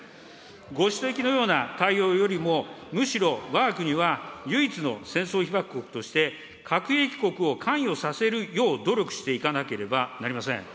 ご指摘のような対応よりも、むしろわが国は唯一の戦争被爆国として、核兵器国を関与させるよう努力していかなければなりません。